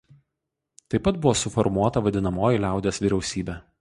Taip buvo suformuota vadinamoji Liaudies vyriausybė.